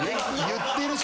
言ってるし。